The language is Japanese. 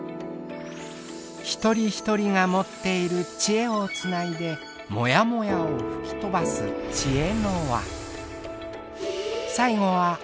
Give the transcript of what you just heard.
一人一人が持っているチエをつないでもやもやを吹き飛ばすチエノワ。